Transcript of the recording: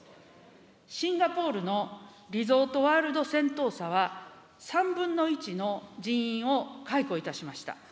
シンガポールのリゾート・ワールド・セントーサは３分の１の人員を解雇いたしました。